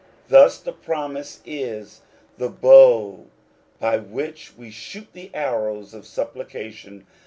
Thus the promise is the bow by which we shoot the arrows of supplication.